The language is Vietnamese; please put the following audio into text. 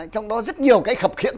trong đó rất nhiều cái khập khiễng